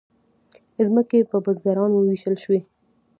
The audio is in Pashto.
ځمکې په بزګرانو وویشل شوې.